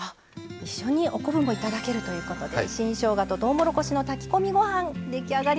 一緒にお昆布もいただけるということで新しょうがととうもろこしの炊き込みご飯出来上がりました。